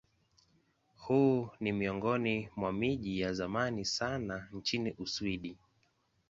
Huu ni miongoni mwa miji ya zamani sana nchini Uswidi.